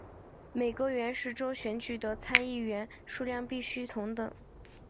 每个原始州选举的参议员数量必须同等。